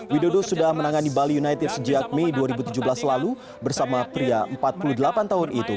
widodo sudah menangani bali united sejak mei dua ribu tujuh belas lalu bersama pria empat puluh delapan tahun itu